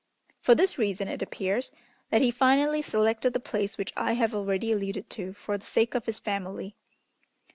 For this reason, it appears, that he finally selected the place which I have already alluded to for the sake of his family.